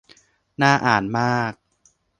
น่าอ่านมาก